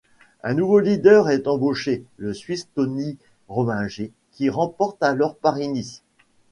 Un nouveau leader est embauché, le Suisse Tony Rominger, qui remporte alors Paris-Nice.